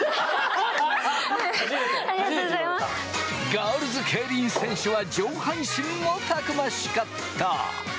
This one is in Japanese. ガールズケイリン選手は上半身もたくましかった！